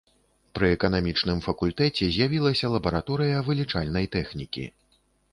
Пры эканамічным факультэце з'явілася лабараторыя вылічальнай тэхнікі.